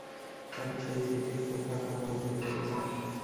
তাকে সেই চিঠির কথাটা মনে করিয়ে দিলাম।